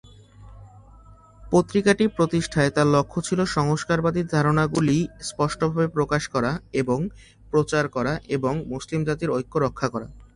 পত্রিকাটি প্রতিষ্ঠায় তার লক্ষ্য ছিল সংস্কারবাদী ধারণাগুলি স্পষ্টভাবে প্রকাশ করা এবং প্রচার করা এবং মুসলিম জাতির ঐক্য রক্ষা করা।